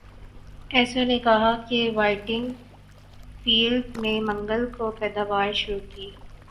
ایسو نے کہا کہ وائٹنگ فیلڈ نے منگل کو پیداوار شروع کی